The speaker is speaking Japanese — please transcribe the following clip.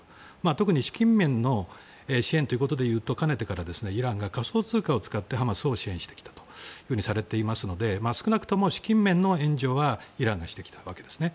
特に資金面の支援でいうとかねてからイランが仮想通貨を使ってハマスを支援してきたとされていますので少なくとも資金面の援助はイランがしてきたわけですね。